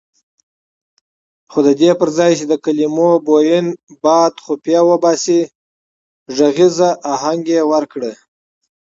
خو ددې پرځای چې د کلمو بوین باد خفیه وباسي غږیز اهنګ یې ورکړ.